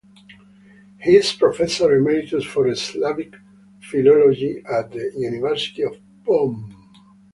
He is professor emeritus for Slavic philology at the University of Bonn.